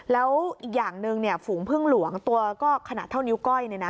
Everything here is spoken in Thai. แล้วอีกอย่างหนึ่งฝูงพึ่งหลวงตัวก็ขนาดเท่านิ้วก้อย